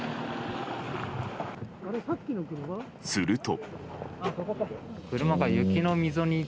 すると。